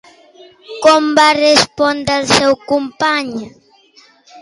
Com va respondre el seu company?